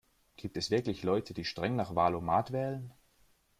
Gibt es wirklich Leute, die streng nach Wahl-o-mat wählen?